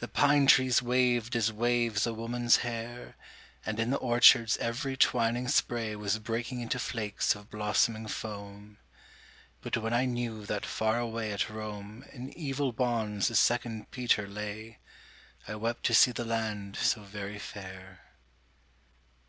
The pine trees waved as waves a woman's hair, And in the orchards every twining spray Was breaking into flakes of blossoming foam : But when I knew that far away at Rome In evil bonds a second Peter lay, I wept to see the land so very fair.